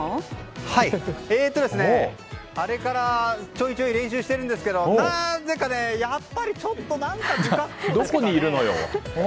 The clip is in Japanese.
あれからちょいちょい練習しているんですけどなぜかやっぱりちょっと何だか不格好なんですよね。